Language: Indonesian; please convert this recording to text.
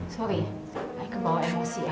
maaf aku kebawa emosi ibu